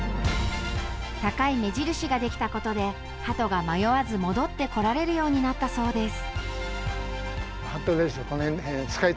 高い目印ができたことで、ハトが迷わず戻ってこられるようになったそうです。